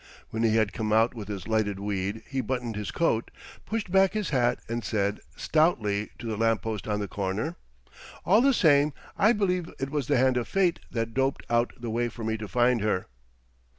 When he had come out with his lighted weed he buttoned his coat, pushed back his hat and said, stoutly, to the lamp post on the corner: "All the same, I believe it was the hand of Fate that doped out the way for me to find her."